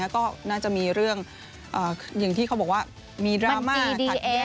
ก็น่าจะมีเรื่องอย่างที่เขาบอกว่ามีดราม่าขัดแย้ง